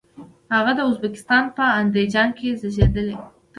هغه د ازبکستان په اندیجان کې زیږیدلی.